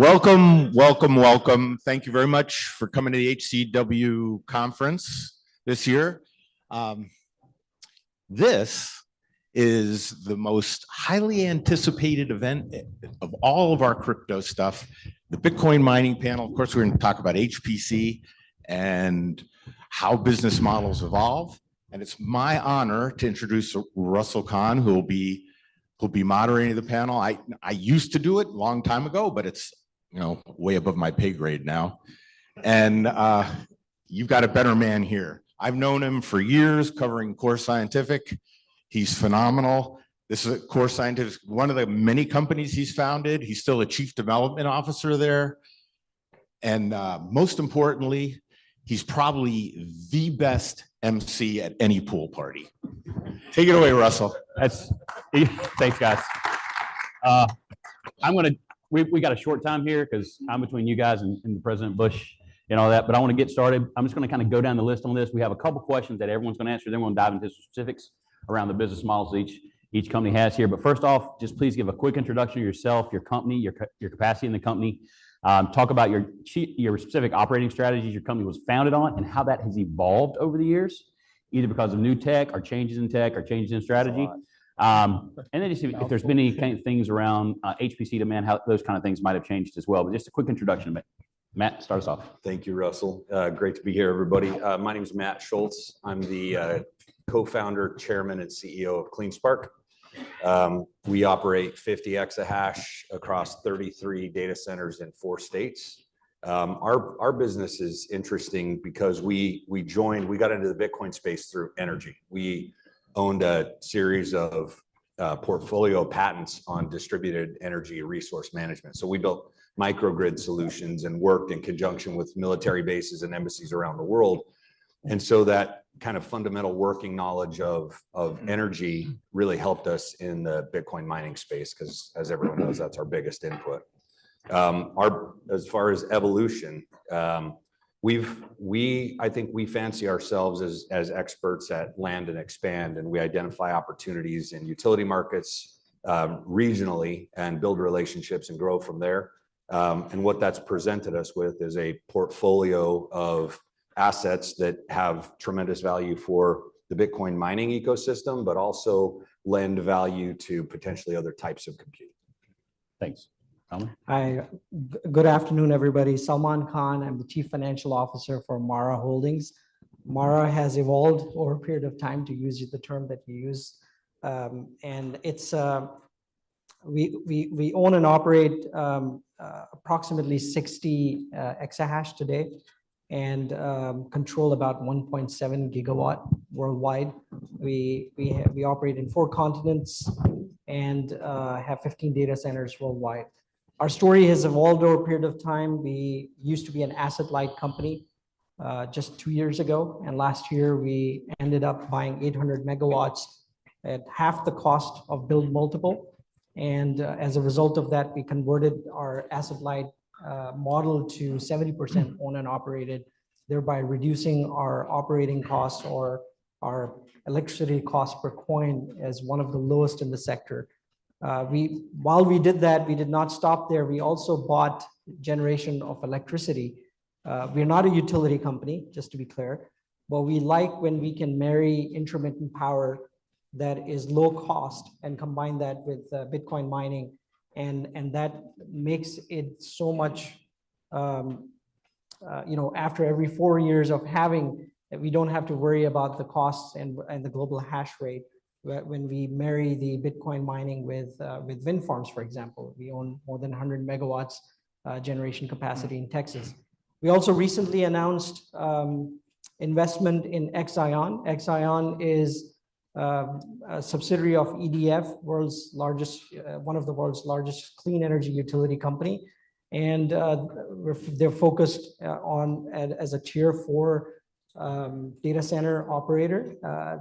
Welcome, welcome, welcome. Thank you very much for coming to the HCW conference this year. This is the most highly anticipated event of all of our crypto stuff, the Bitcoin Mining Panel. Of course, we're going to talk about HPC and how business models evolve. And it's my honor to introduce Russell Cann, who will be moderating the panel. I used to do it a long time ago, but it's way above my pay grade now. And you've got a better man here. I've known him for years covering Core Scientific. He's phenomenal. This is Core Scientific, one of the many companies he's founded. He's still a Chief Development Officer there. And most importantly, he's probably the best MC at any pool party. Take it away, Russell. Thanks, guys. We got a short time here because I'm between you guys and President Bush and all that. But I want to get started. I'm just going to kind of go down the list on this. We have a couple of questions that everyone's going to answer. Then we'll dive into specifics around the business models each company has here. But first off, just please give a quick introduction of yourself, your company, your capacity in the company. Talk about your specific operating strategies, your company was founded on, and how that has evolved over the years, either because of new tech or changes in tech or changes in strategy. And then just if there's been any kind of things around HPC demand, how those kind of things might have changed as well. But just a quick introduction of it. Matt, start us off. Thank you, Russell. Great to be here, everybody. My name is Matt Schultz. I'm the Co-founder, Chairman, and CEO of CleanSpark. We operate 50 exahash across 33 data centers in four states. Our business is interesting because we joined. We got into the Bitcoin space through energy. We owned a series of portfolio patents on distributed energy resource management. So we built microgrid solutions and worked in conjunction with military bases and embassies around the world. And so that kind of fundamental working knowledge of energy really helped us in the Bitcoin mining space because, as everyone knows, that's our biggest input. As far as evolution, I think we fancy ourselves as experts at land and expand, and we identify opportunities in utility markets regionally and build relationships and grow from there. What that's presented us with is a portfolio of assets that have tremendous value for the Bitcoin mining ecosystem, but also lend value to potentially other types of computing. Thanks. Good afternoon, everybody. Salman Khan, I'm the Chief Financial Officer for MARA Holdings. MARA has evolved over a period of time, to use the term that you use, and we own and operate approximately 60 exahash today and control about 1.7 GW worldwide. We operate in four continents and have 15 data centers worldwide. Our story has evolved over a period of time. We used to be an asset-light company just two years ago, and last year we ended up buying 800 MW at half the cost of build multiple, and as a result of that we converted our asset-light model to 70% owned and operated, thereby reducing our operating costs or our electricity costs per coin as one of the lowest in the sector. While we did that, we did not stop there. We also bought generation of electricity. We are not a utility company, just to be clear, but we like when we can marry intermittent power that is low cost and combine that with Bitcoin mining, and that makes it so much, you know, after every four years of having, we don't have to worry about the costs and the global hash rate when we marry the Bitcoin mining with wind farms, for example. We own more than 100 MW generation capacity in Texas. We also recently announced investment in Exaion. Exaion is a subsidiary of EDF, one of the world's largest clean energy utility company, and they're focused on as a Tier 4 data center operator.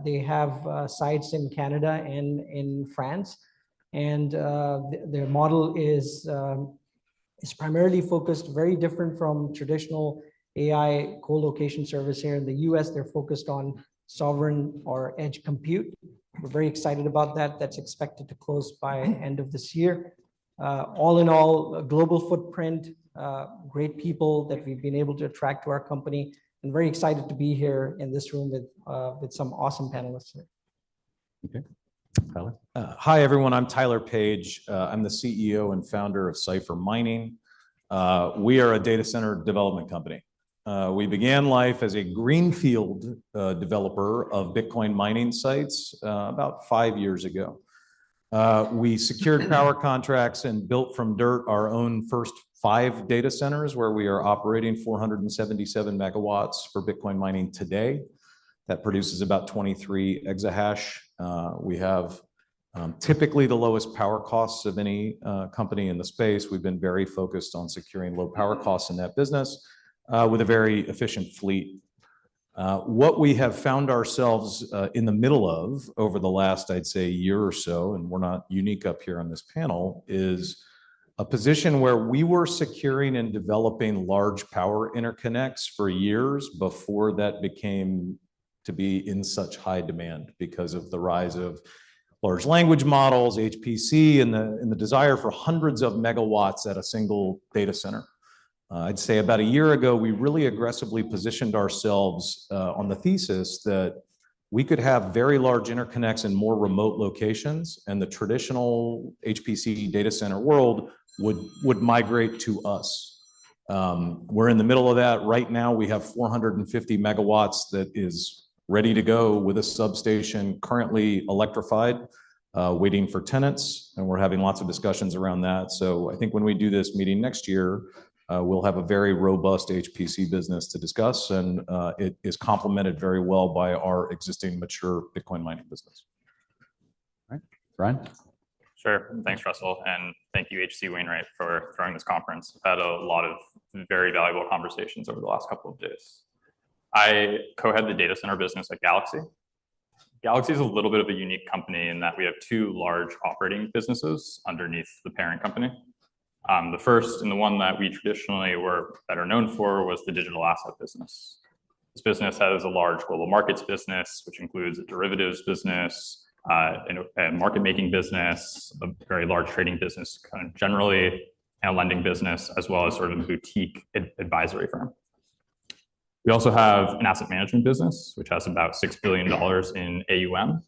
They have sites in Canada and in France, and their model is primarily focused, very different from traditional AI colocation service here in the U.S. They're focused on sovereign or edge compute. We're very excited about that. That's expected to close by the end of this year. All in all, a global footprint, great people that we've been able to attract to our company, and very excited to be here in this room with some awesome panelists here. Okay. Tyler. Hi, everyone. I'm Tyler Page. I'm the CEO and founder of Cipher Mining. We are a data center development company. We began life as a greenfield developer of Bitcoin mining sites about five years ago. We secured power contracts and built from dirt our own first five data centers where we are operating 477 MW for Bitcoin mining today. That produces about 23 exahash. We have typically the lowest power costs of any company in the space. We've been very focused on securing low power costs in that business with a very efficient fleet. What we have found ourselves in the middle of over the last, I'd say, year or so, and we're not unique up here on this panel, is a position where we were securing and developing large power interconnects for years before that became to be in such high demand because of the rise of large language models, HPC, and the desire for hundreds of megawatts at a single data center. I'd say about a year ago, we really aggressively positioned ourselves on the thesis that we could have very large interconnects in more remote locations, and the traditional HPC data center world would migrate to us. We're in the middle of that right now. We have 450 MW that is ready to go with a substation currently electrified, waiting for tenants, and we're having lots of discussions around that. I think when we do this meeting next year, we'll have a very robust HPC business to discuss. It is complemented very well by our existing mature Bitcoin mining business. All right. Brian? Sure. Thanks, Russell. And thank you, H.C. Wainwright, for throwing this conference. I've had a lot of very valuable conversations over the last couple of days. I co-head the data center business at Galaxy. Galaxy is a little bit of a unique company in that we have two large operating businesses underneath the parent company. The first and the one that we traditionally were better known for was the digital asset business. This business has a large global markets business, which includes a derivatives business, a market-making business, a very large trading business generally, and a lending business, as well as sort of a boutique advisory firm. We also have an asset management business, which has about $6 billion in AUM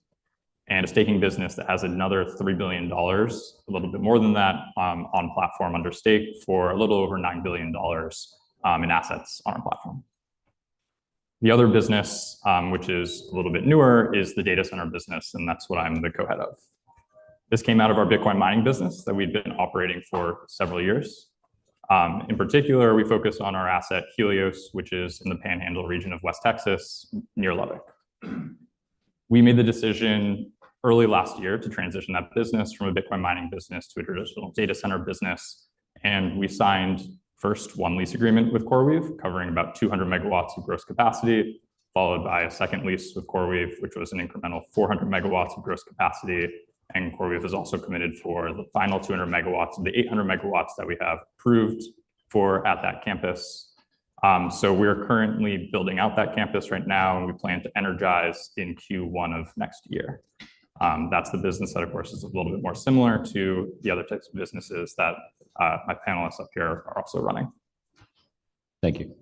and a staking business that has another $3 billion, a little bit more than that, on platform under stake for a little over $9 billion in assets on our platform. The other business, which is a little bit newer, is the data center business. And that's what I'm the co-head of. This came out of our Bitcoin mining business that we've been operating for several years. In particular, we focus on our asset Helios, which is in the Panhandle region of West Texas near Lubbock. We made the decision early last year to transition that business from a Bitcoin mining business to a traditional data center business. And we signed first one lease agreement with CoreWeave covering about 200 MW of gross capacity, followed by a second lease with CoreWeave, which was an incremental 400 MW of gross capacity. And CoreWeave has also committed for the final 200 MW of the 800 MW that we have approved for at that campus. So we're currently building out that campus right now. We plan to energize in Q1 of next year. That's the business that, of course, is a little bit more similar to the other types of businesses that my panelists up here are also running. Thank you.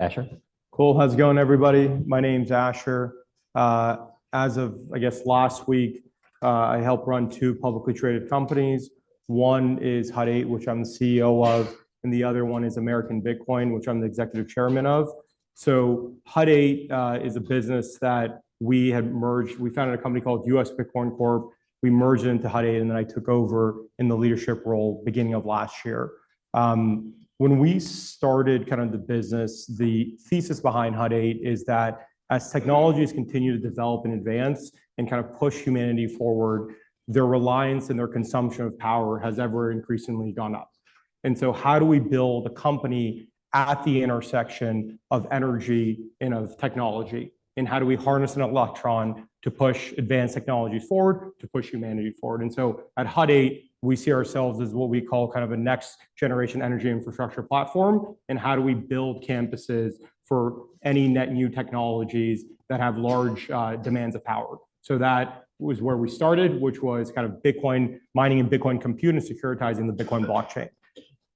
Asher? Cool. How's it going, everybody? My name's Asher. As of, I guess, last week, I help run two publicly traded companies. One is Hut 8, which I'm the CEO of. And the other one is American Bitcoin, which I'm the Executive Chairman of. So Hut 8 is a business that we had merged. We founded a company called U.S. Bitcoin Corp. We merged into Hut 8, and then I took over in the leadership role beginning of last year. When we started kind of the business, the thesis behind Hut 8 is that as technologies continue to develop and advance and kind of push humanity forward, their reliance and their consumption of power has ever increasingly gone up. And so how do we build a company at the intersection of energy and of technology? And how do we harness an electron to push advanced technologies forward, to push humanity forward? At Hut 8, we see ourselves as what we call kind of a next-generation energy infrastructure platform. How do we build campuses for any net new technologies that have large demands of power? That was where we started, which was kind of Bitcoin mining and Bitcoin compute and securitizing the Bitcoin blockchain.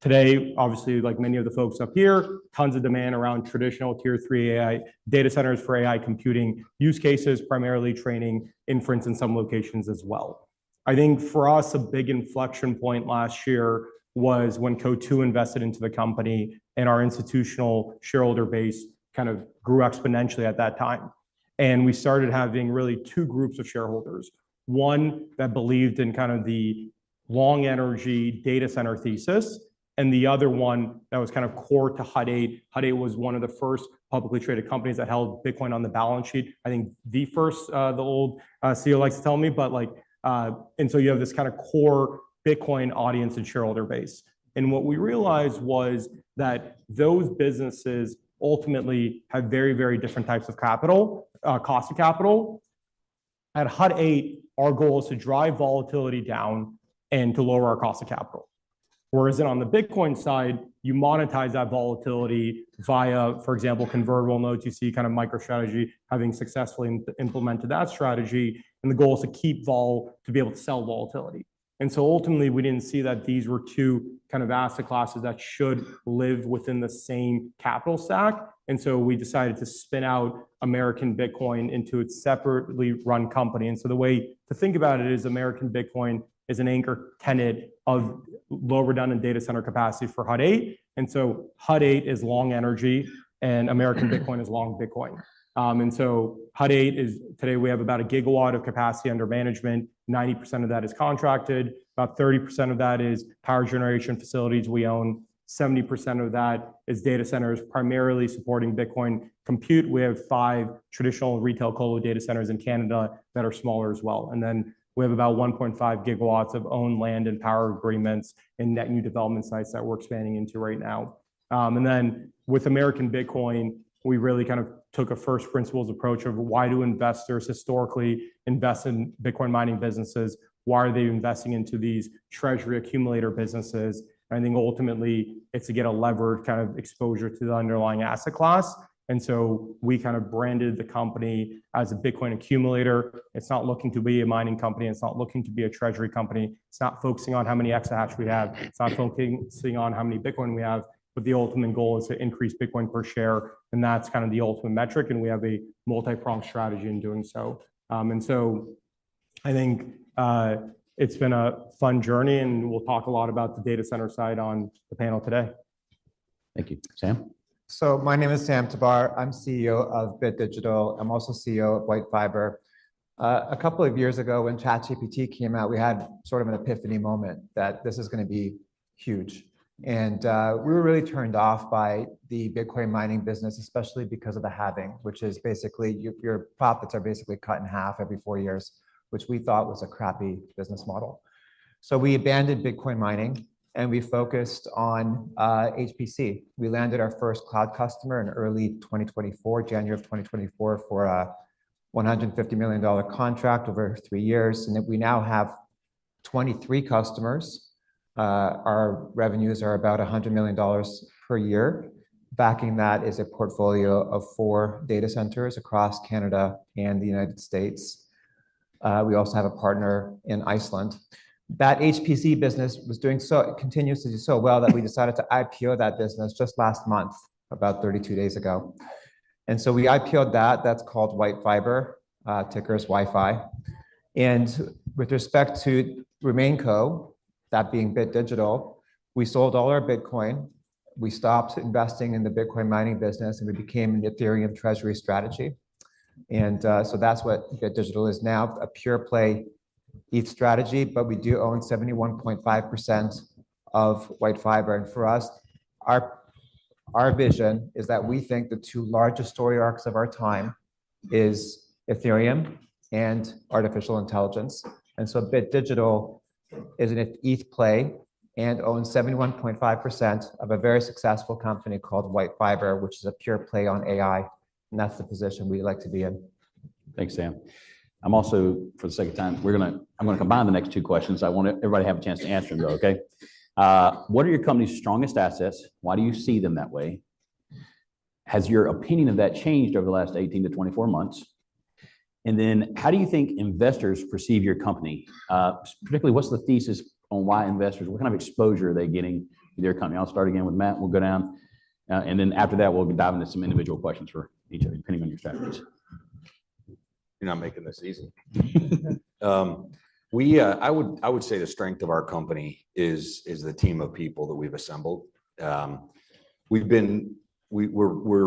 Today, obviously, like many of the folks up here, tons of demand around traditional Tier 3 AI data centers for AI computing use cases, primarily training inference in some locations as well. I think for us, a big inflection point last year was when Coatue invested into the company and our institutional shareholder base kind of grew exponentially at that time. We started having really two groups of shareholders. One that believed in kind of the long energy data center thesis, and the other one that was kind of core to Hut 8. Hut 8 was one of the first publicly traded companies that held Bitcoin on the balance sheet. I think the first, the old CEO likes to tell me, but like, and so you have this kind of core Bitcoin audience and shareholder base. And what we realized was that those businesses ultimately have very, very different types of capital, cost of capital. At Hut 8, our goal is to drive volatility down and to lower our cost of capital. Whereas on the Bitcoin side, you monetize that volatility via, for example, convertible notes. You see kind of MicroStrategy having successfully implemented that strategy. And the goal is to keep vol, to be able to sell volatility. And so ultimately, we didn't see that these were two kind of asset classes that should live within the same capital stack. And so we decided to spin out American Bitcoin into its separately run company. And so the way to think about it is American Bitcoin is an anchor tenant of low redundant data center capacity for Hut 8. And so Hut 8 is long energy and American Bitcoin is long Bitcoin. And so Hut 8 is today we have about a gigawatt of capacity under management. 90% of that is contracted. About 30% of that is power generation facilities we own. 70% of that is data centers primarily supporting Bitcoin compute. We have five traditional retail colo data centers in Canada that are smaller as well. And then we have about 1.5 GW of own land and power agreements and net new development sites that we're expanding into right now. And then, with American Bitcoin, we really kind of took a first principles approach of why do investors historically invest in Bitcoin mining businesses? Why are they investing into these treasury accumulator businesses? And I think ultimately it's to get a levered kind of exposure to the underlying asset class. And so we kind of branded the company as a Bitcoin accumulator. It's not looking to be a mining company. It's not looking to be a treasury company. It's not focusing on how many exahash we have. It's not focusing on how many Bitcoin we have. But the ultimate goal is to increase Bitcoin per share. And that's kind of the ultimate metric. And we have a multi-pronged strategy in doing so. And so I think it's been a fun journey. And we'll talk a lot about the data center side on the panel today. Thank you. Sam? My name is Sam Tabar. I'm CEO of Bit Digital. I'm also CEO of WhiteFiber. A couple of years ago when ChatGPT came out, we had sort of an epiphany moment that this is going to be huge. We were really turned off by the Bitcoin mining business, especially because of the halving, which is basically your profits are basically cut in half every four years, which we thought was a crappy business model. We abandoned Bitcoin mining and we focused on HPC. We landed our first cloud customer in early 2024, January of 2024, for a $150 million contract over three years. We now have 23 customers. Our revenues are about $100 million per year. Backing that is a portfolio of four data centers across Canada and the United States. We also have a partner in Iceland. That HPC business was doing so continuously so well that we decided to IPO that business just last month, about 32 days ago. And so we IPO'd that. That's called WhiteFiber, ticker is WIFI. And with respect to RemainCo, that being Bit Digital, we sold all our Bitcoin. We stopped investing in the Bitcoin mining business and we became an Ethereum treasury strategy. And so that's what Bit Digital is now, a pure play ETH strategy. But we do own 71.5% of WhiteFiber. And for us, our vision is that we think the two largest story arcs of our time are Ethereum and artificial intelligence. And so Bit Digital is an ETH play and owns 71.5% of a very successful company called WhiteFiber, which is a pure play on AI. And that's the position we'd like to be in. Thanks, Sam. I'm also, for the sake of time, we're going to, I'm going to combine the next two questions. I want everybody to have a chance to answer them, though, okay? What are your company's strongest assets? Why do you see them that way? Has your opinion of that changed over the last 18-24 months? And then how do you think investors perceive your company? Particularly, what's the thesis on why investors, what kind of exposure are they getting to their company? I'll start again with Matt. We'll go down. And then after that, we'll be diving into some individual questions for each of you, depending on your strategies. You're not making this easy. I would say the strength of our company is the team of people that we've assembled. We're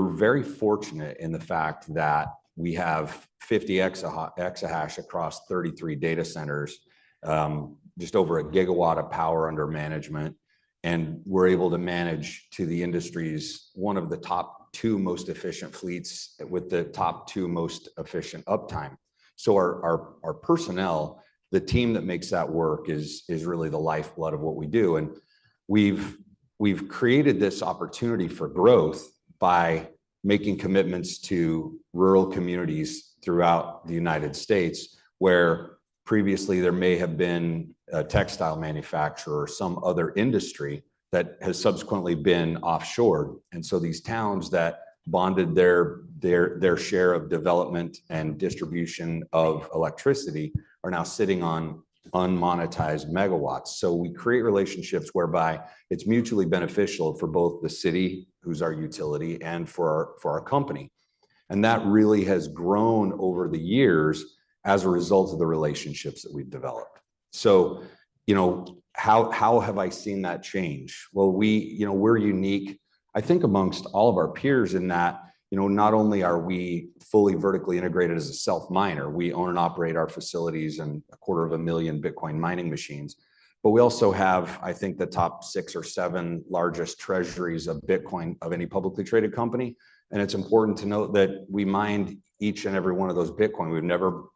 very fortunate in the fact that we have 50 exahash across 33 data centers, just over a gigawatt of power under management, and we're able to manage to the industry's one of the top two most efficient fleets with the top two most efficient uptime, so our personnel, the team that makes that work is really the lifeblood of what we do, and we've created this opportunity for growth by making commitments to rural communities throughout the United States, where previously there may have been a textile manufacturer or some other industry that has subsequently been offshored, and so these towns that bonded their share of development and distribution of electricity are now sitting on unmonetized megawatts. We create relationships whereby it's mutually beneficial for both the city, who's our utility, and for our company. And that really has grown over the years as a result of the relationships that we've developed. So how have I seen that change? Well, we're unique, I think, amongst all of our peers in that not only are we fully vertically integrated as a self-miner, we own and operate our facilities and 250,000 Bitcoin mining machines. But we also have, I think, the top six or seven largest treasuries of Bitcoin of any publicly traded company. And it's important to note that we mine each and every one of those Bitcoin.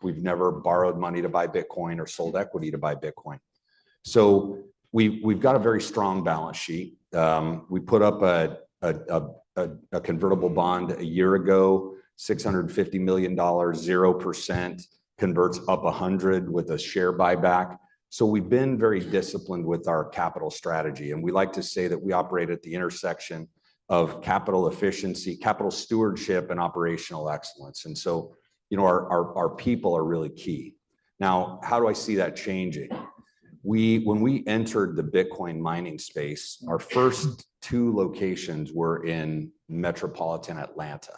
We've never borrowed money to buy Bitcoin or sold equity to buy Bitcoin. So we've got a very strong balance sheet. We put up a convertible bond a year ago, $650 million, 0%, converts up 100 with a share buyback, so we've been very disciplined with our capital strategy, and we like to say that we operate at the intersection of capital efficiency, capital stewardship, and operational excellence, and so our people are really key. Now, how do I see that changing? When we entered the Bitcoin mining space, our first two locations were in metropolitan Atlanta.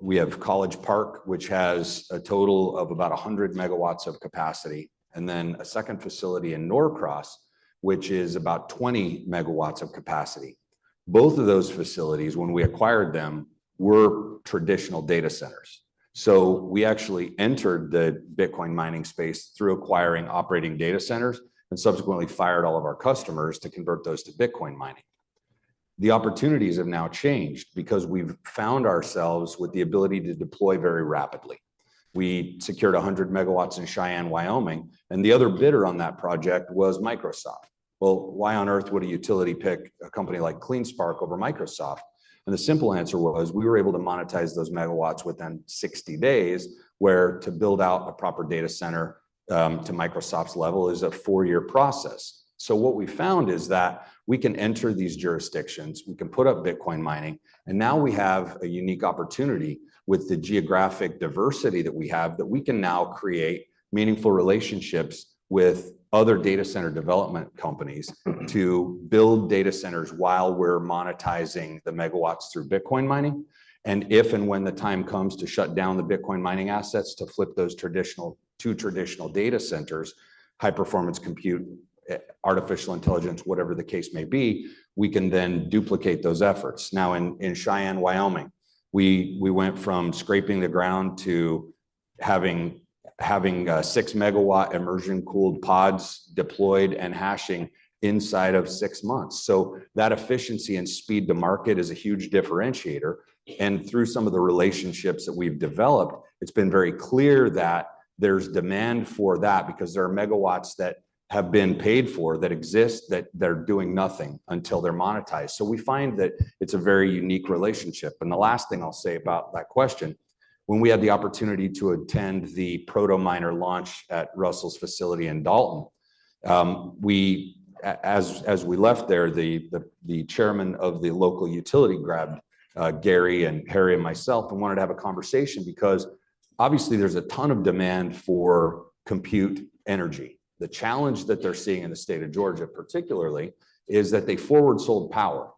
We have College Park, which has a total of about 100 MW of capacity, and then a second facility in Norcross, which is about 20 MW of capacity. Both of those facilities, when we acquired them, were traditional data centers, so we actually entered the Bitcoin mining space through acquiring operating data centers and subsequently fired all of our customers to convert those to Bitcoin mining. The opportunities have now changed because we've found ourselves with the ability to deploy very rapidly. We secured 100 MW in Cheyenne, Wyoming. And the other bidder on that project was Microsoft. Well, why on earth would a utility pick a company like CleanSpark over Microsoft? And the simple answer was we were able to monetize those megawatts within 60 days, where to build out a proper data center to Microsoft's level is a four-year process. So what we found is that we can enter these jurisdictions, we can put up Bitcoin mining, and now we have a unique opportunity with the geographic diversity that we have that we can now create meaningful relationships with other data center development companies to build data centers while we're monetizing the megawatts through Bitcoin mining. And if and when the time comes to shut down the Bitcoin mining assets to flip those two traditional data centers, high-performance compute, artificial intelligence, whatever the case may be, we can then duplicate those efforts. Now, in Cheyenne, Wyoming, we went from scraping the ground to having 6 MW immersion-cooled pods deployed and hashing inside of six months. So that efficiency and speed to market is a huge differentiator. And through some of the relationships that we've developed, it's been very clear that there's demand for that because there are megawatts that have been paid for that exist that they're doing nothing until they're monetized. So we find that it's a very unique relationship. The last thing I'll say about that question, when we had the opportunity to attend the Proto Mining launch at Russell's facility in Dalton, as we left there, the chairman of the local utility grabbed Gary and Harry and myself and wanted to have a conversation because obviously there's a ton of demand for compute energy. The challenge that they're seeing in the state of Georgia particularly is that they forward sold power.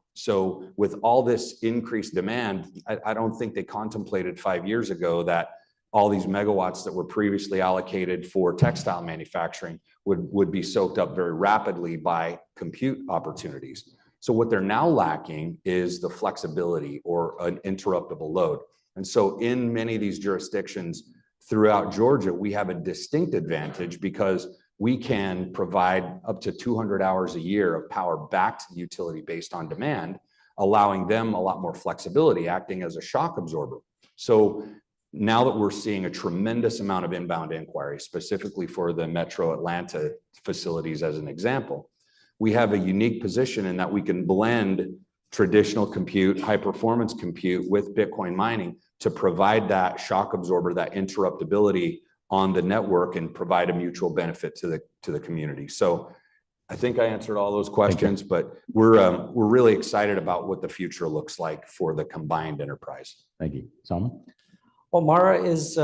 With all this increased demand, I don't think they contemplated five years ago that all these megawatts that were previously allocated for textile manufacturing would be soaked up very rapidly by compute opportunities. What they're now lacking is the flexibility or an interruptible load. In many of these jurisdictions throughout Georgia, we have a distinct advantage because we can provide up to 200 hours a year of power back to the utility based on demand, allowing them a lot more flexibility, acting as a shock absorber. Now that we're seeing a tremendous amount of inbound inquiries, specifically for the Metro Atlanta facilities as an example, we have a unique position in that we can blend traditional compute, high-performance compute with Bitcoin mining to provide that shock absorber, that interruptibility on the network and provide a mutual benefit to the community. I think I answered all those questions, but we're really excited about what the future looks like for the combined enterprise. Thank you. Salman? MARA is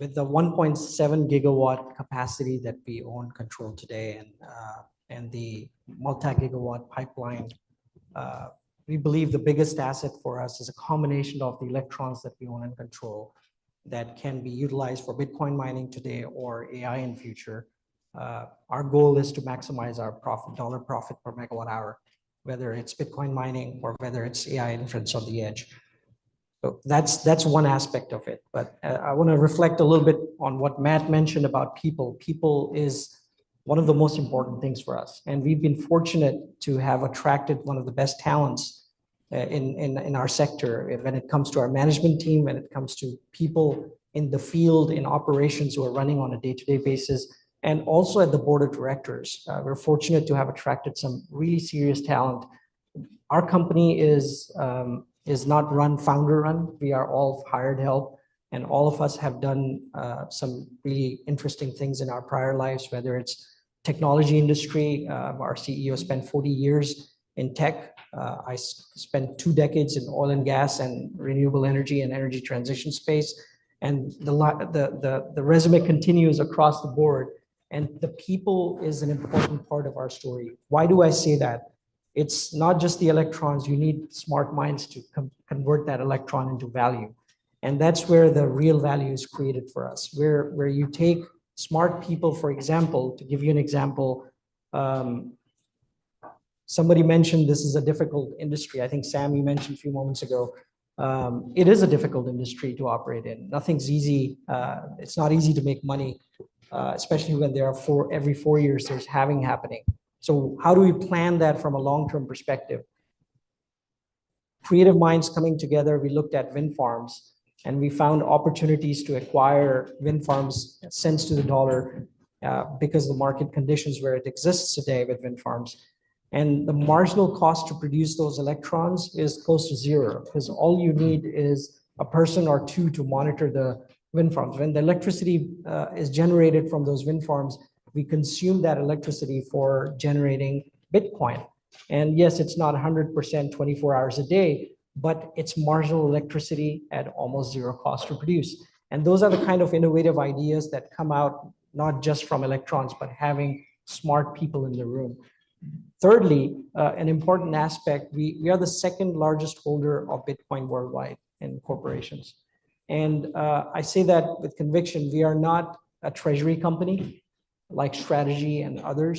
with the 1.7 GW capacity that we own control today and the multi-gigawatt pipeline. We believe the biggest asset for us is a combination of the electrons that we own and control that can be utilized for Bitcoin mining today or AI in the future. Our goal is to maximize our dollar profit per megawatt hour, whether it's Bitcoin mining or whether it's AI inference on the edge. So that's one aspect of it. But I want to reflect a little bit on what Matt mentioned about people. People is one of the most important things for us. And we've been fortunate to have attracted one of the best talents in our sector when it comes to our management team, when it comes to people in the field, in operations who are running on a day-to-day basis, and also at the board of directors. We're fortunate to have attracted some really serious talent. Our company is not run founder-run. We are all hired help. And all of us have done some really interesting things in our prior lives, whether it's technology industry. Our CEO spent 40 years in tech. I spent two decades in oil and gas and renewable energy and energy transition space. And the resume continues across the board. And the people is an important part of our story. Why do I say that? It's not just the electrons. You need smart minds to convert that electron into value. And that's where the real value is created for us, where you take smart people, for example, to give you an example, somebody mentioned this is a difficult industry. I think Sam, you mentioned a few moments ago, it is a difficult industry to operate in. Nothing's easy. It's not easy to make money, especially when there are every four years there's halving happening. So how do we plan that from a long-term perspective? Creative minds coming together. We looked at wind farms and we found opportunities to acquire wind farms cents to the dollar because of the market conditions where it exists today with wind farms. And the marginal cost to produce those electrons is close to zero because all you need is a person or two to monitor the wind farms. When the electricity is generated from those wind farms, we consume that electricity for generating Bitcoin. And yes, it's not 100% 24 hours a day, but it's marginal electricity at almost zero cost to produce. And those are the kind of innovative ideas that come out not just from electrons, but having smart people in the room. Thirdly, an important aspect. We are the second largest holder of Bitcoin worldwide in corporations, and I say that with conviction. We are not a treasury company like MicroStrategy and others,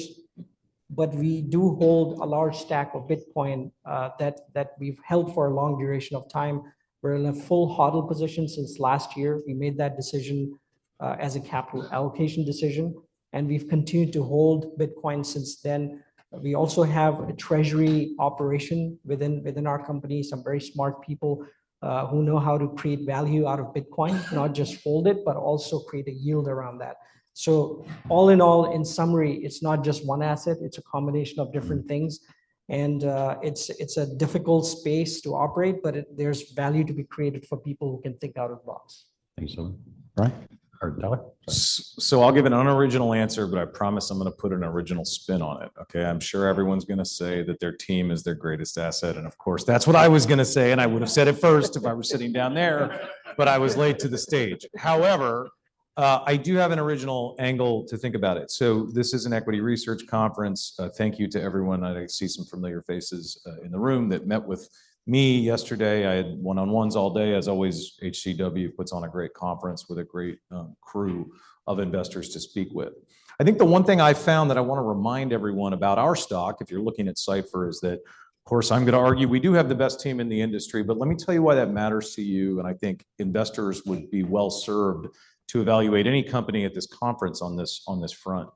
but we do hold a large stack of Bitcoin that we've held for a long duration of time. We're in a full HODL position since last year. We made that decision as a capital allocation decision, and we've continued to hold Bitcoin since then. We also have a treasury operation within our company, some very smart people who know how to create value out of Bitcoin, not just hold it, but also create a yield around that. All in all, in summary, it's not just one asset. It's a combination of different things, and it's a difficult space to operate, but there's value to be created for people who can think out of the box. Thanks, Salman. Tyler? So I'll give an unoriginal answer, but I promise I'm going to put an original spin on it, okay? I'm sure everyone's going to say that their team is their greatest asset. And of course, that's what I was going to say. And I would have said it first if I were sitting down there, but I was late to the stage. However, I do have an original angle to think about it. So this is an equity research conference. Thank you to everyone. I see some familiar faces in the room that met with me yesterday. I had one-on-ones all day. As always, HCW puts on a great conference with a great crew of investors to speak with. I think the one thing I found that I want to remind everyone about our stock, if you're looking at Cipher, is that, of course, I'm going to argue we do have the best team in the industry, but let me tell you why that matters to you, and I think investors would be well served to evaluate any company at this conference on this front.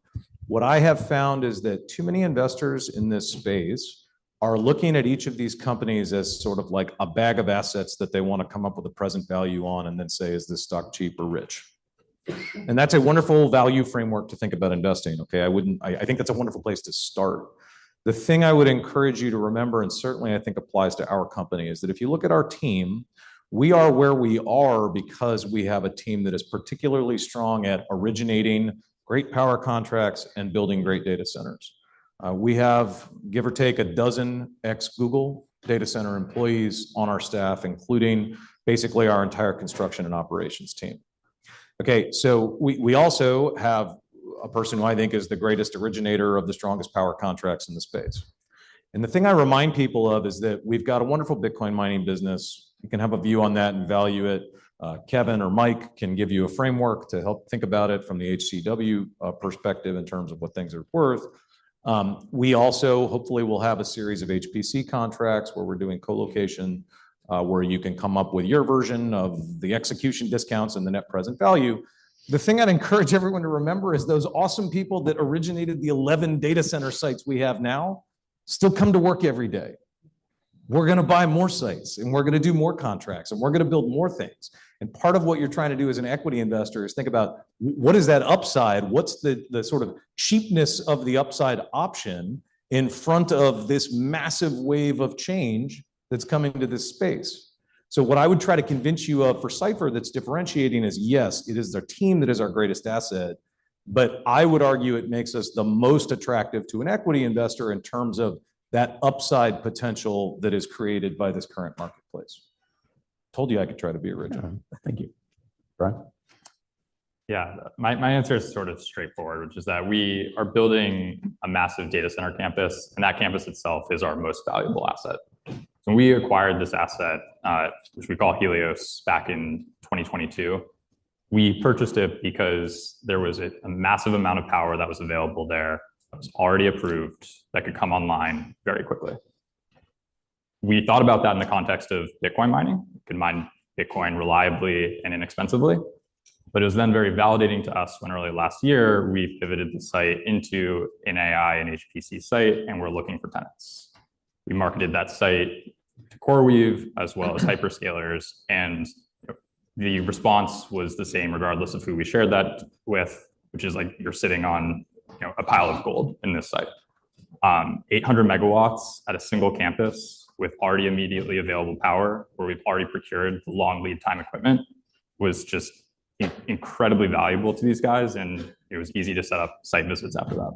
What I have found is that too many investors in this space are looking at each of these companies as sort of like a bag of assets that they want to come up with a present value on and then say, "Is this stock cheap or rich?", and that's a wonderful value framework to think about investing, okay? I think that's a wonderful place to start. The thing I would encourage you to remember, and certainly I think applies to our company, is that if you look at our team, we are where we are because we have a team that is particularly strong at originating great power contracts and building great data centers. We have, give or take, a dozen ex-Google data center employees on our staff, including basically our entire construction and operations team. Okay. So we also have a person who I think is the greatest originator of the strongest power contracts in the space. And the thing I remind people of is that we've got a wonderful Bitcoin mining business. You can have a view on that and value it. Kevin or Mike can give you a framework to help think about it from the HCW perspective in terms of what things are worth. We also hopefully will have a series of HPC contracts where we're doing colocation, where you can come up with your version of the execution discounts and the net present value. The thing I'd encourage everyone to remember is those awesome people that originated the 11 data center sites we have now still come to work every day. We're going to buy more sites, and we're going to do more contracts, and we're going to build more things, and part of what you're trying to do as an equity investor is think about what is that upside? What's the sort of cheapness of the upside option in front of this massive wave of change that's coming to this space? So what I would try to convince you of for Cipher that's differentiating is, yes, it is our team that is our greatest asset, but I would argue it makes us the most attractive to an equity investor in terms of that upside potential that is created by this current marketplace. Told you I could try to be original. Thank you. Brian? Yeah. My answer is sort of straightforward, which is that we are building a massive data center campus, and that campus itself is our most valuable asset, so we acquired this asset, which we call Helios, back in 2022. We purchased it because there was a massive amount of power that was available there that was already approved that could come online very quickly. We thought about that in the context of Bitcoin mining. We could mine Bitcoin reliably and inexpensively, but it was then very validating to us when early last year we pivoted the site into an AI and HPC site, and we're looking for tenants. We marketed that site to CoreWeave as well as hyperscalers, and the response was the same regardless of who we shared that with, which is, like, "you're sitting on a pile of gold in this site. 800 MW at a single campus with already immediately available power, where we've already procured long lead-time equipment, was just incredibly valuable to these guys, and it was easy to set up site visits after that.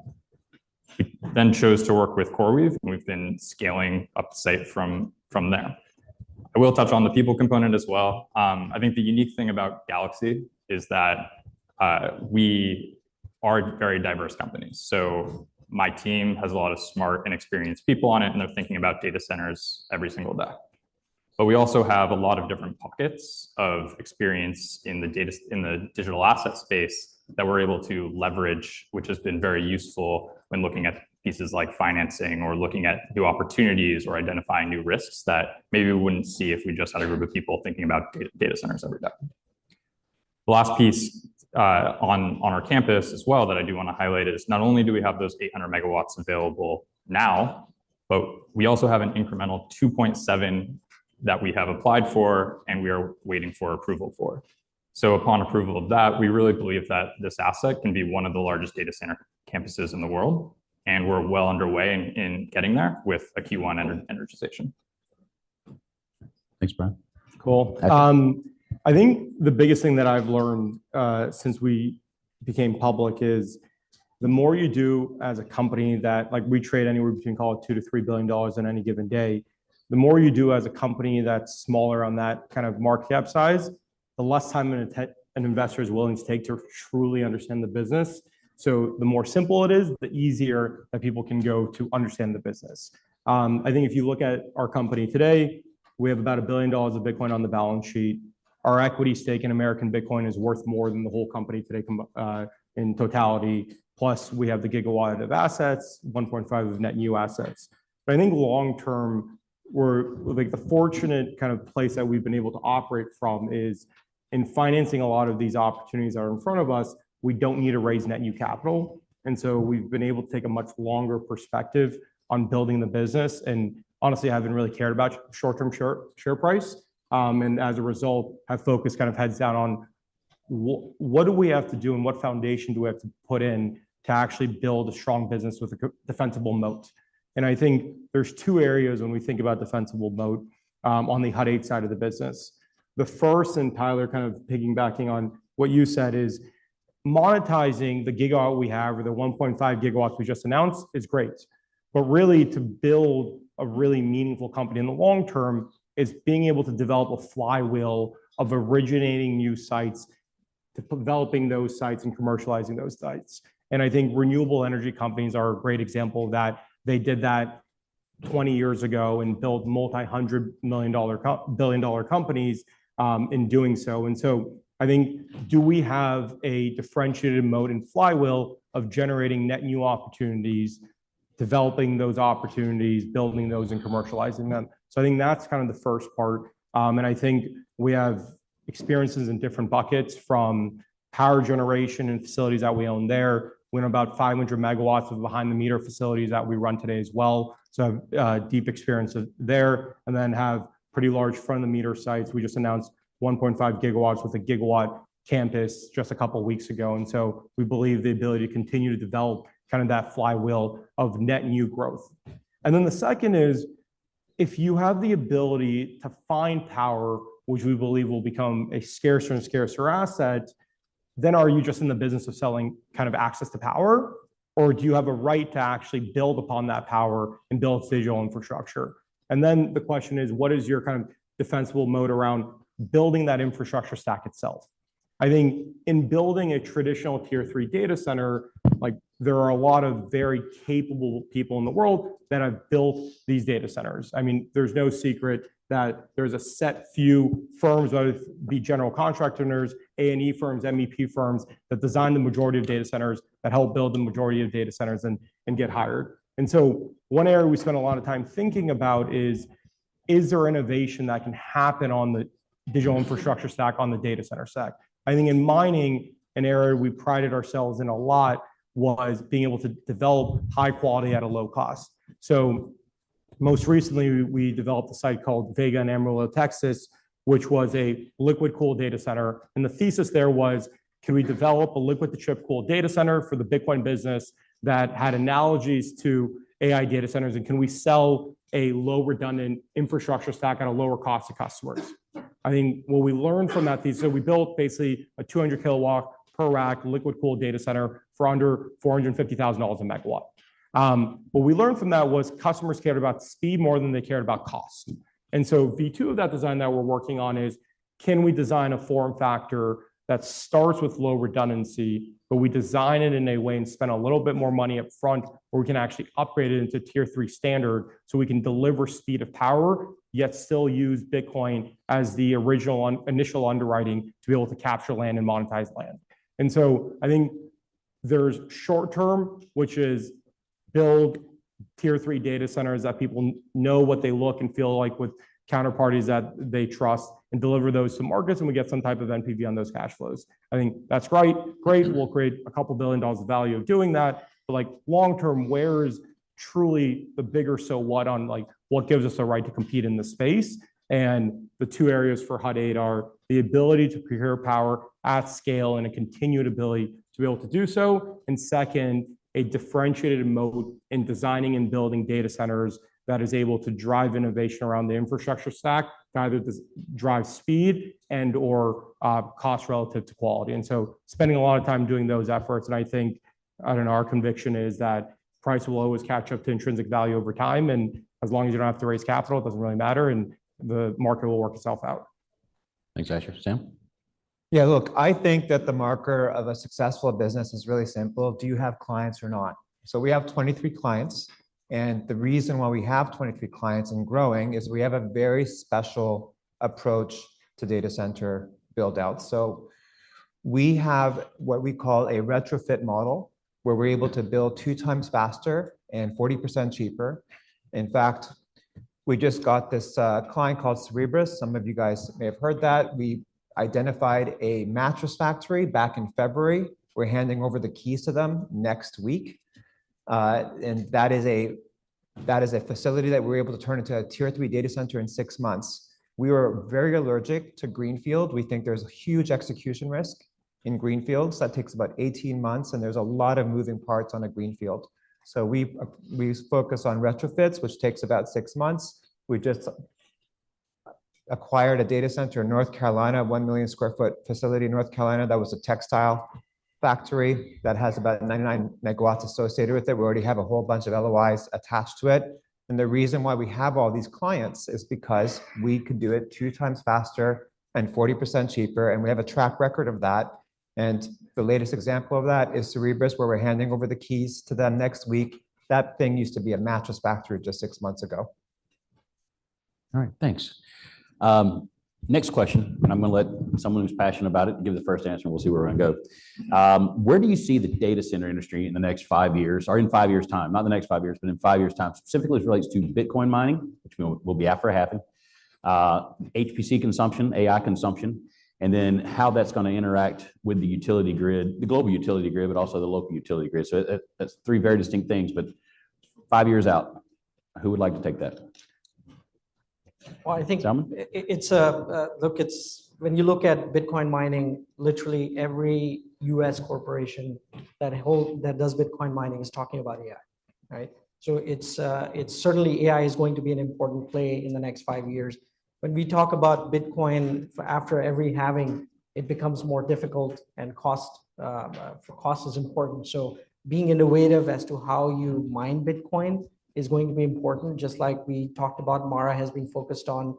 We then chose to work with CoreWeave, and we've been scaling up the site from there. I will touch on the people component as well. I think the unique thing about Galaxy is that we are very diverse companies. So my team has a lot of smart and experienced people on it, and they're thinking about data centers every single day. But we also have a lot of different pockets of experience in the digital asset space that we're able to leverage, which has been very useful when looking at pieces like financing or looking at new opportunities or identifying new risks that maybe we wouldn't see if we just had a group of people thinking about data centers every day. The last piece on our campus as well that I do want to highlight is not only do we have those 800 MW available now, but we also have an incremental 2.7 that we have applied for and we are waiting for approval for. So upon approval of that, we really believe that this asset can be one of the largest data center campuses in the world, and we're well underway in getting there with a Q1 energization. Thanks, Brian. Cool. I think the biggest thing that I've learned since we became public is the more you do as a company that we trade anywhere between call it $2 billion-$3 billion in any given day. The more you do as a company that's smaller on that kind of market cap size, the less time an investor is willing to take to truly understand the business. So the more simple it is, the easier that people can go to understand the business. I think if you look at our company today, we have about $1 billion of Bitcoin on the balance sheet. Our equity stake in American Bitcoin is worth more than the whole company today in totality. Plus, we have 1 GW of assets, 1.5 of net new assets. But I think long term, the fortunate kind of place that we've been able to operate from is in financing a lot of these opportunities that are in front of us, we don't need to raise net new capital, and so we've been able to take a much longer perspective on building the business and honestly haven't really cared about short-term share price, and as a result, have focused kind of heads down on what do we have to do and what foundation do we have to put in to actually build a strong business with a defensible moat, and I think there's two areas when we think about defensible moat on the Hut 8 side of the business. The first, and Tyler kind of piggybacking on what you said, is monetizing the gigawatts we have or the 1.5 GW we just announced is great. But really, to build a really meaningful company in the long term is being able to develop a flywheel of originating new sites to developing those sites and commercializing those sites. And I think renewable energy companies are a great example of that. They did that 20 years ago and built multi-hundred million dollar companies in doing so. And so I think, do we have a differentiated moat and flywheel of generating net new opportunities, developing those opportunities, building those and commercializing them? So I think that's kind of the first part. And I think we have experiences in different buckets from power generation and facilities that we own there. We have about 500 MW of behind-the-meter facilities that we run today as well. So deep experience there. And then have pretty large front-of-the-meter sites. We just announced 1.5 GW with a gigawatt campus just a couple of weeks ago. And so we believe the ability to continue to develop kind of that flywheel of net new growth. And then the second is, if you have the ability to find power, which we believe will become a scarcer and scarcer asset, then are you just in the business of selling kind of access to power, or do you have a right to actually build upon that power and build digital infrastructure? And then the question is, what is your kind of defensible moat around building that infrastructure stack itself? I think in building a traditional Tier 3 data center, there are a lot of very capable people in the world that have built these data centers. I mean, there's no secret that there's a set few firms that would be general contractors, A&E firms, MEP firms that design the majority of data centers that help build the majority of data centers and get hired, and so one area we spend a lot of time thinking about is, is there innovation that can happen on the digital infrastructure stack on the data center stack. I think in mining, an area we prided ourselves in a lot was being able to develop high quality at a low cost, so most recently, we developed a site called Vega in Amarillo, Texas, which was a liquid-cooled data center, and the thesis there was, can we develop a liquid-to-chip cooled data center for the Bitcoin business that had analogies to AI data centers, and can we sell a low-redundant infrastructure stack at a lower cost to customers? I think what we learned from that thesis, we built basically a 200 KW per-rack liquid-cooled data center for under $450,000 a megawatt. What we learned from that was customers cared about speed more than they cared about cost, and so v2 of that design that we're working on is, can we design a form factor that starts with low redundancy, but we design it in a way and spend a little bit more money upfront where we can actually upgrade it into Tier 3 standard so we can deliver speed of power, yet still use Bitcoin as the original initial underwriting to be able to capture land and monetize land? And so I think there's short term, which is build Tier 3 data centers that people know what they look and feel like with counterparties that they trust and deliver those to markets, and we get some type of NPV on those cash flows. I think that's right. Great. We'll create $2 billion of value of doing that. But long term, where is truly the bigger so what on what gives us a right to compete in the space? And the two areas for Hut 8 are the ability to procure power at scale and a continued ability to be able to do so. And second, a differentiated moat in designing and building data centers that is able to drive innovation around the infrastructure stack, either to drive speed and/or cost relative to quality. And so spending a lot of time doing those efforts. I think, I don't know, our conviction is that price will always catch up to intrinsic value over time. As long as you don't have to raise capital, it doesn't really matter, and the market will work itself out. Thanks, Asher. Sam? Yeah, look, I think that the marker of a successful business is really simple. Do you have clients or not? So we have 23 clients. And the reason why we have 23 clients and growing is we have a very special approach to data center build-out. So we have what we call a retrofit model where we're able to build two times faster and 40% cheaper. In fact, we just got this client called Cerebras. Some of you guys may have heard that. We identified a mattress factory back in February. We're handing over the keys to them next week. And that is a facility that we were able to turn into a Tier 3 data center in six months. We were very allergic to greenfield. We think there's a huge execution risk in greenfields. That takes about 18 months, and there's a lot of moving parts on a greenfield. We focus on retrofits, which takes about six months. We just acquired a data center in North Carolina, a 1 million sq ft facility in North Carolina. That was a textile factory that has about 99 MW associated with it. We already have a whole bunch of LOIs attached to it. The reason why we have all these clients is because we could do it two times faster and 40% cheaper, and we have a track record of that. The latest example of that is Cerebras, where we're handing over the keys to them next week. That thing used to be a mattress factory just six months ago. All right. Thanks. Next question, and I'm going to let someone who's passionate about it give the first answer, and we'll see where we're going to go. Where do you see the data center industry in the next five years or in five years' time? Not in the next five years, but in five years' time, specifically as it relates to Bitcoin mining, which we'll be after happening, HPC consumption, AI consumption, and then how that's going to interact with the utility grid, the global utility grid, but also the local utility grid. So that's three very distinct things, but five years out, who would like to take that? I think it's a lock. When you look at Bitcoin mining, literally every U.S. corporation that does Bitcoin mining is talking about AI, right? So certainly AI is going to be an important play in the next five years. When we talk about Bitcoin, after every halving, it becomes more difficult, and cost is important. So being innovative as to how you mine Bitcoin is going to be important, just like we talked about. MARA has been focused on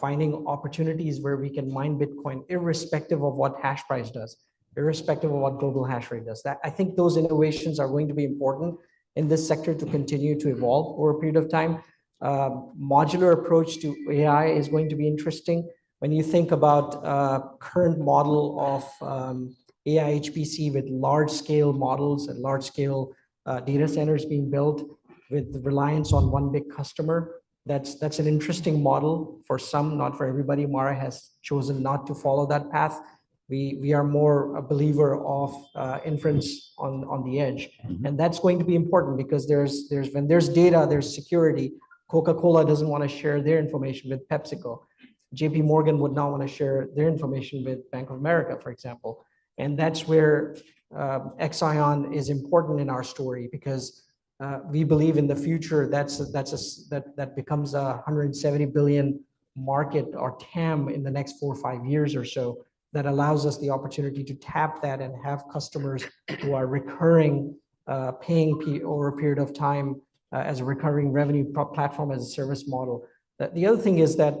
finding opportunities where we can mine Bitcoin irrespective of what hash price does, irrespective of what global hash rate does. I think those innovations are going to be important in this sector to continue to evolve over a period of time. Modular approach to AI is going to be interesting. When you think about the current model of AI HPC with large-scale models and large-scale data centers being built with reliance on one big customer, that's an interesting model for some, not for everybody. MARA has chosen not to follow that path. We are more a believer of inference on the edge, and that's going to be important because when there's data, there's security. Coca-Cola doesn't want to share their information with PepsiCo. JPMorgan would not want to share their information with Bank of America, for example, and that's where Exaion is important in our story because we believe in the future that becomes a 170 billion market or TAM in the next four or five years or so that allows us the opportunity to tap that and have customers who are recurring paying over a period of time as a recurring revenue platform as a service model. The other thing is that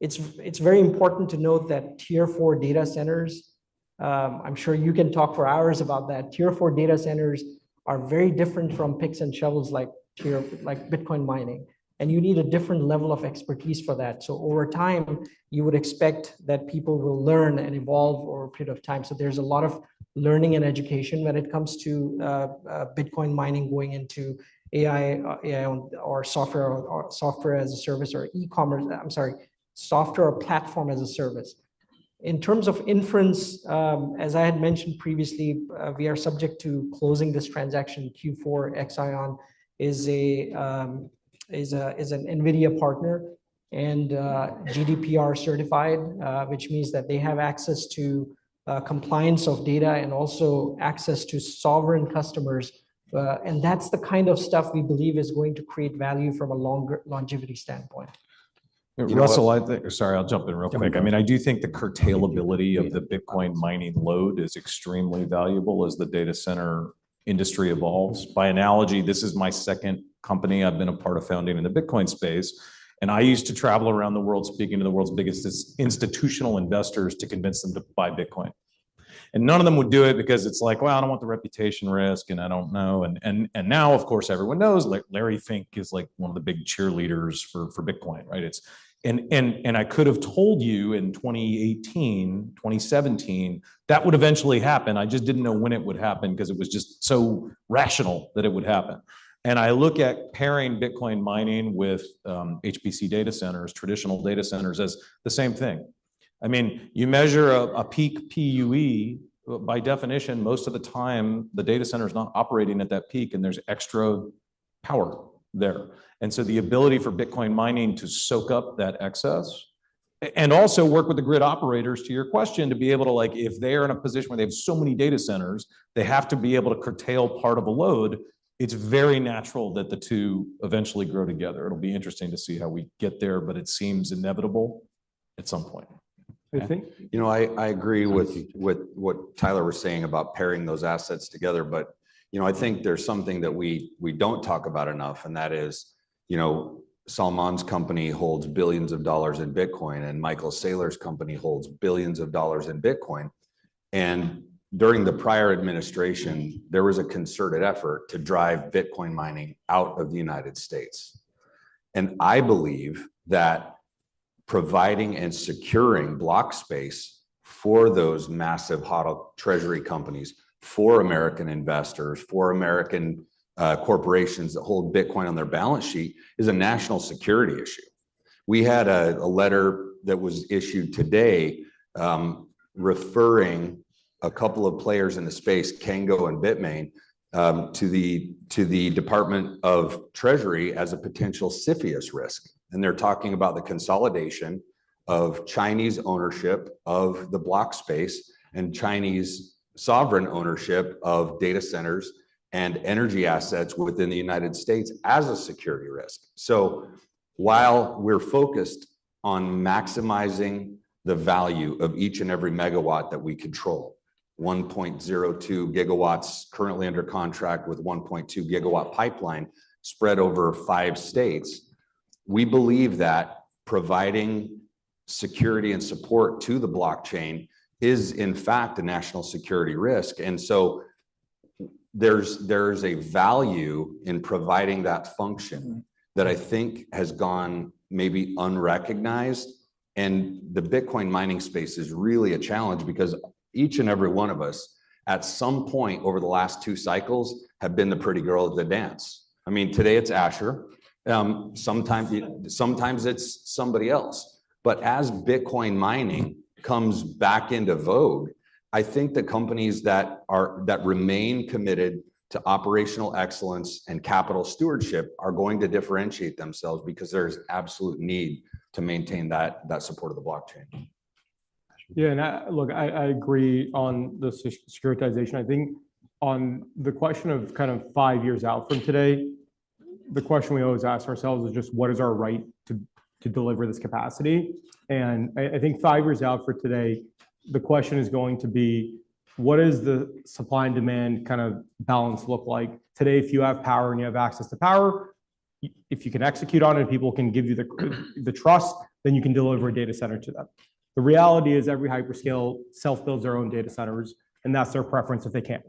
it's very important to note that Tier 4 data centers, I'm sure you can talk for hours about that, Tier 4 data centers are very different from picks and shovels like Bitcoin mining, and you need a different level of expertise for that, so over time, you would expect that people will learn and evolve over a period of time, so there's a lot of learning and education when it comes to Bitcoin mining going into AI or software as a service or e-commerce, I'm sorry, software or platform as a service. In terms of inference, as I had mentioned previously, we are subject to closing this transaction. Q4, Exaion is an NVIDIA partner and GDPR certified, which means that they have access to compliance of data and also access to sovereign customers. And that's the kind of stuff we believe is going to create value from a longevity standpoint. Sorry, I'll jump in real quick. I mean, I do think the curtailability of the Bitcoin mining load is extremely valuable as the data center industry evolves. By analogy, this is my second company I've been a part of founding in the Bitcoin space, and I used to travel around the world speaking to the world's biggest institutional investors to convince them to buy Bitcoin, and none of them would do it because it's like, well, I don't want the reputation risk, and I don't know, and now, of course, everyone knows Larry Fink is one of the big cheerleaders for Bitcoin, right, and I could have told you in 2018, 2017, that would eventually happen. I just didn't know when it would happen because it was just so rational that it would happen. I look at pairing Bitcoin mining with HPC data centers, traditional data centers as the same thing. I mean, you measure a peak PUE. By definition, most of the time, the data center is not operating at that peak, and there's extra power there. And so the ability for Bitcoin mining to soak up that excess and also work with the grid operators, to your question, to be able to, if they are in a position where they have so many data centers, they have to be able to curtail part of a load, it's very natural that the two eventually grow together. It'll be interesting to see how we get there, but it seems inevitable at some point. I think. You know, I agree with what Tyler was saying about pairing those assets together. But I think there's something that we don't talk about enough, and that is Salman's company holds billions of dollars in Bitcoin, and Michael Saylor's company holds billions of dollars in Bitcoin. And during the prior administration, there was a concerted effort to drive Bitcoin mining out of the United States. And I believe that providing and securing block space for those massive HODL treasury companies, for American investors, for American corporations that hold Bitcoin on their balance sheet is a national security issue. We had a letter that was issued today referring a couple of players in the space, Canaan and Bitmain, to the U.S. Department of the Treasury as a potential CFIUS risk. And they're talking about the consolidation of Chinese ownership of the blockchain space and Chinese sovereign ownership of data centers and energy assets within the United States as a security risk. So while we're focused on maximizing the value of each and every megawatt that we control, 1.02 GW currently under contract with a 1.2 GW pipeline spread over five states, we believe that providing security and support to the blockchain is, in fact, a national security risk. And so there's a value in providing that function that I think has gone maybe unrecognized. And the Bitcoin mining space is really a challenge because each and every one of us, at some point over the last two cycles, have been the pretty girl of the dance. I mean, today it's Asher. Sometimes it's somebody else. But as Bitcoin mining comes back into vogue, I think the companies that remain committed to operational excellence and capital stewardship are going to differentiate themselves because there is absolute need to maintain that support of the blockchain. Yeah, and look, I agree on the securitization. I think on the question of kind of five years out from today, the question we always ask ourselves is just, what is our right to deliver this capacity? And I think five years out from today, the question is going to be, what does the supply and demand kind of balance look like? Today, if you have power and you have access to power, if you can execute on it, people can give you the trust, then you can deliver a data center to them. The reality is every hyperscale self-builds their own data centers, and that's their preference if they can.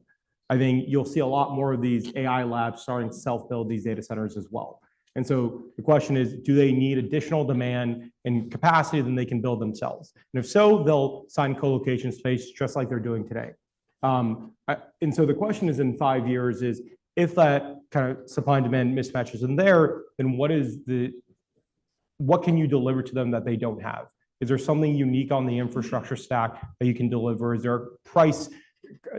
I think you'll see a lot more of these AI labs starting to self-build these data centers as well. And so the question is, do they need additional demand and capacity than they can build themselves? And if so, they'll sign colocation space just like they're doing today. And so the question in five years is, if that kind of supply and demand mismatch isn't there, then what can you deliver to them that they don't have? Is there something unique on the infrastructure stack that you can deliver? Is there price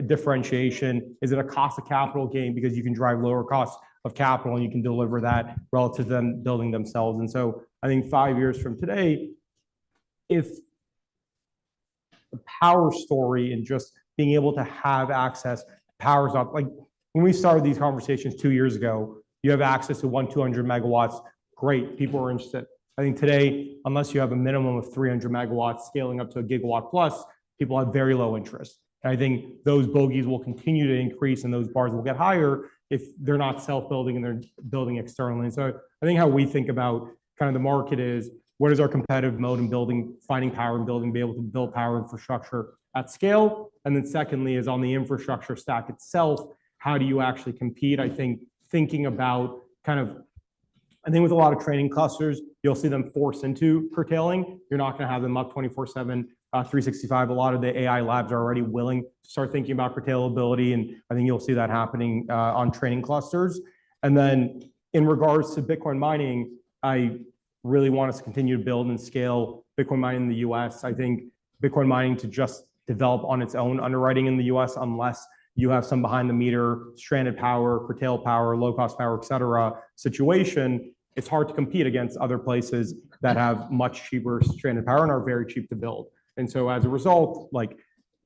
differentiation? Is it a cost of capital gain because you can drive lower cost of capital and you can deliver that relative to them building themselves? And so I think five years from today, if the power story and just being able to have access powers up, like when we started these conversations two years ago, you have access to 1,200 MW, great, people are interested. I think today, unless you have a minimum of 300 MW scaling up to a gigawatt plus, people have very low interest. I think those bogeys will continue to increase and those bars will get higher if they're not self-building and they're building externally. I think how we think about kind of the market is, what is our competitive moat in finding power and building to be able to build power infrastructure at scale? Secondly, is on the infrastructure stack itself, how do you actually compete? I think thinking about kind of, I think with a lot of training clusters, you'll see them force into curtailing. You're not going to have them up 24/7, 365. A lot of the AI labs are already willing to start thinking about curtailability. I think you'll see that happening on training clusters. In regards to Bitcoin mining, I really want us to continue to build and scale Bitcoin mining in the U.S. I think Bitcoin mining to just develop on its own underwriting in the U.S., unless you have some behind-the-meter stranded power, curtail power, low-cost power, et cetera situation, it's hard to compete against other places that have much cheaper stranded power and are very cheap to build, and so as a result,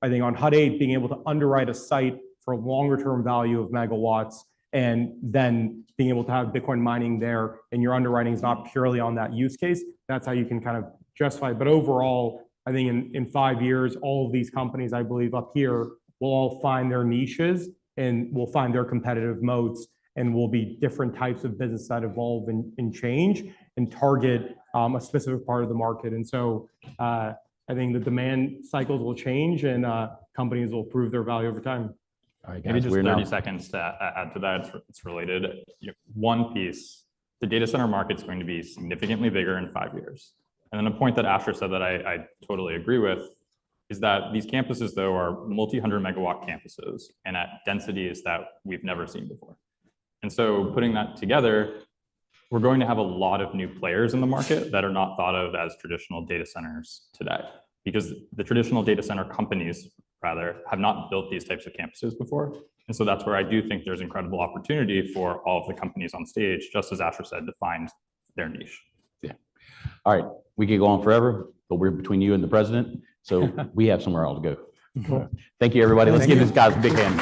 I think on Hut 8, being able to underwrite a site for a longer-term value of megawatts and then being able to have Bitcoin mining there and your underwriting is not purely on that use case, that's how you can kind of justify it, but overall, I think in five years, all of these companies, I believe, up here will all find their niches and will find their competitive moats and will be different types of business that evolve and change and target a specific part of the market. And so I think the demand cycles will change and companies will prove their value over time. All right. I just have 30 seconds to add to that. It's related. One piece, the data center market's going to be significantly bigger in five years. And then a point that Asher said that I totally agree with is that these campuses, though, are multi-hundred megawatt campuses and at densities that we've never seen before. And so putting that together, we're going to have a lot of new players in the market that are not thought of as traditional data centers today because the traditional data center companies, rather, have not built these types of campuses before. And so that's where I do think there's incredible opportunity for all of the companies on stage, just as Asher said, to find their niche. Yeah. All right. We could go on forever, but we're between you and the President. So we have somewhere else to go. Thank you, everybody. Let's give these guys a big hand.